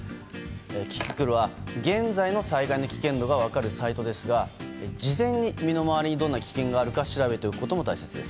キキクルは現在の災害の危険度が分かるサイトですが事前に、身の回りにどんな危険があるのか調べておくことも大切です。